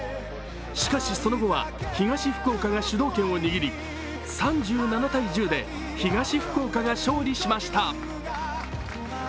しかし、その後は東福岡が主導権を握り３７−１０で東福岡が勝利しました。